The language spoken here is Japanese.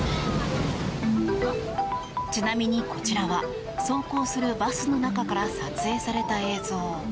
ちなみにこちらは走行するバスの中から撮影された映像。